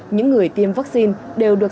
những người tiêm vaccine đều được